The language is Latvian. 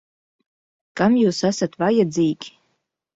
Kam jūs esat vajadzīgi?